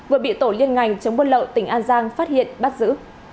vừa bị tổ liên ngành chống buôn lậu tỉnh an giang phát hiện bắt giữ